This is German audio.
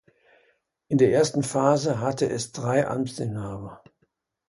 In der ersten Phase hatte es drei Amtsinhaber.